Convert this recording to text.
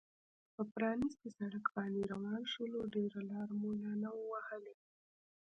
پر پرانیستي سړک باندې روان شولو، ډېره لار مو لا نه وه وهلې.